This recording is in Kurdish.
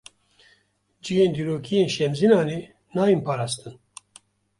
Cihên dîrokî yên Şemzînanê, nayên parastin